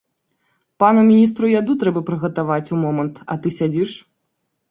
Пану міністру яду трэба прыгатаваць у момант, а ты сядзіш.